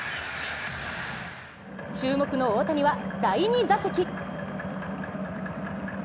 注目の大谷は第２打席。